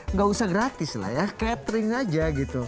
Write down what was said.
nggak usah gratis lah ya catering aja gitu